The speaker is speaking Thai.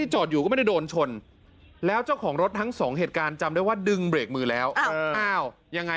เจ้าของบอกดึงแล้วไม่แน่ใจว่าพูดแก้เกอร์หรือเปล่านะ